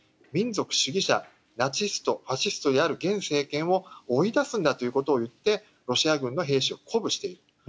民族主義者、ナチスとファシストである現政権を追い出すんだということを言ってロシア軍が兵士を鼓舞している。